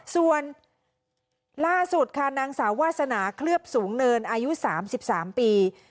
ส่วนล่าสุดค่ะนางสาววาสนาเคลือบสูงเนินอายุ๓๓ปี